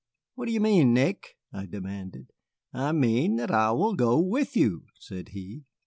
"What do you mean, Nick?" I demanded. "I mean that I will go with you," said he.